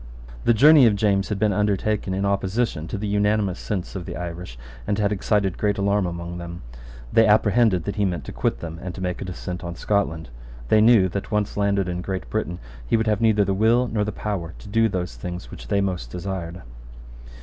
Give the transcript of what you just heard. The journey of James had been undertaken in opposition to the unanimous sense of the Irish, and had excited great alarm among them. They apprehended that he meant to quit them, and to make a descent on Scotland. They knew that, once landed in Great Britain, he would have neither the will nor the power to do those things which they most desired.